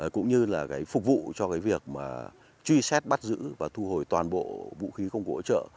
cũng như là cái phục vụ cho cái việc mà truy xét bắt giữ và thu hồi toàn bộ vũ khí không có ổn trợ